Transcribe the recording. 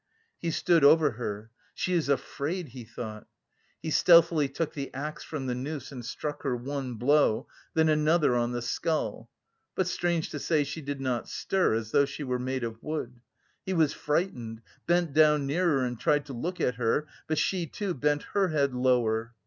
He stood over her. "She is afraid," he thought. He stealthily took the axe from the noose and struck her one blow, then another on the skull. But strange to say she did not stir, as though she were made of wood. He was frightened, bent down nearer and tried to look at her; but she, too, bent her head lower.